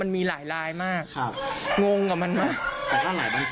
มันมีหลายไลน์มากงงกับมันมาก